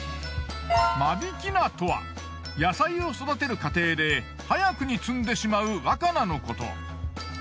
間引き菜とは野菜を育てる過程で早くに摘んでしまう若菜のこと。